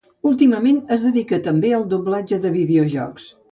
Últimament, es dedica també al doblatge de videojocs.